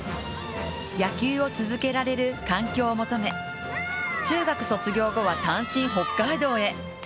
野球を続けられる環境を求め、中学卒業後は単身北海道へ。